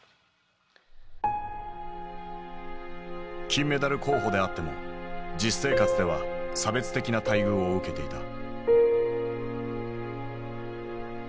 金メダル候補であっても実生活では差別的な待遇を受けていた。